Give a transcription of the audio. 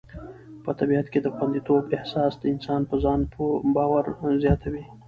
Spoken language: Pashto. په طبیعت کې د خوندیتوب احساس د انسان په ځان باور زیاتوي.